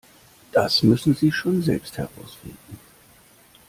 Das müssen Sie schon selbst herausfinden.